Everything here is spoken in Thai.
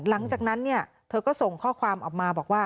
หลังจากนั้นเธอก็ส่งข้อความออกมาบอกว่า